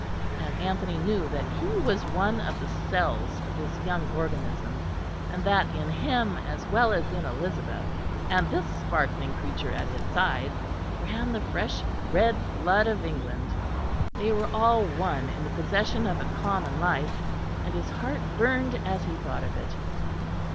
And Anthony knew that he was one of the cells of this young organism; and that in him as well as in Elizabeth and this sparkling creature at his side ran the fresh red blood of England. They were all one in the possession of a common life; and his heart burned as he thought of it.